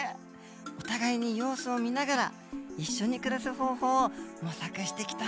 お互いに様子を見ながら一緒に暮らす方法を模索してきたんですね。